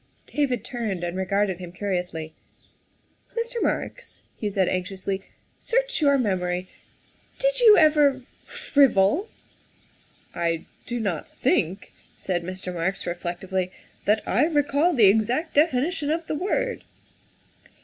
David turned and regarded him curiously. " Mr. Marks," he said anxiously, " search your mem ory. Did you never frivol?" " I do not think," said Mr. Marks reflectively, " that I recall the exact definition of the word."